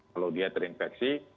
kalau dia terinfeksi